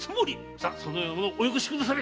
さあそのような物およこしくだされ！